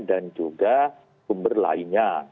dan juga sumber lainnya